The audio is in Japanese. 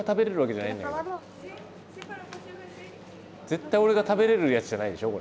絶対俺が食べれるやつじゃないでしょ？